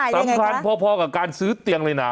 สำคัญพอกับการซื้อเตียงเลยนะ